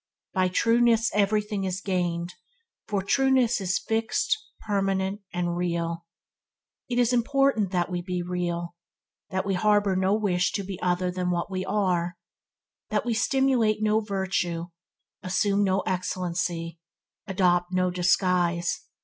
By trueness everything is gained, for trueness is fixed, permanent, real. It is all important that we be real; that we harbour no wish to appear other than what we are; that we simulate no virtue, assume no excellency, adopt no disguise.